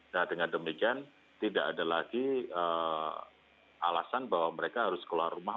nah dengan demikian tidak ada lagi alasan bahwa mereka harus keluar rumah